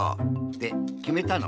できめたの。